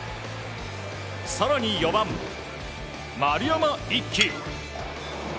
更に、４番、丸山一喜。